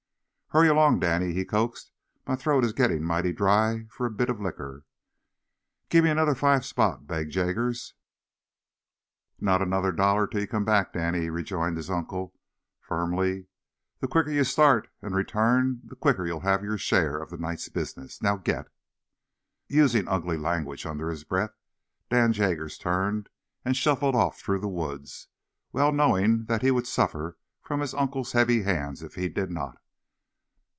"Hurry along, Danny," he coaxed. "My throat is gittin' mighty dry for a bit o' liquor." "Give me another five spot," begged Jaggers. "Not another dollar till ye come back, Danny," rejoined his uncle, firmly. "The quicker ye start, an' return, the quicker ye'll have yer share of the night's business. Now, git!" Using ugly language under his breath, Dan Jaggers turned and shuffled off through the woods, well knowing that he would suffer from his uncle's heavy hands if he did not.